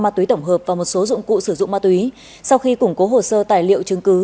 ma túy tổng hợp và một số dụng cụ sử dụng ma túy sau khi củng cố hồ sơ tài liệu chứng cứ